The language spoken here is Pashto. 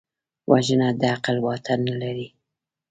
وژنه د عقل واټن نه لري